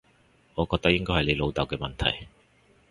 我覺得應該係你老豆嘅問題